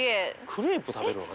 クレープ食べるの？